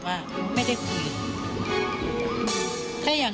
สวัสดีครับ